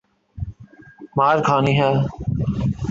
مار کھانی ہے؟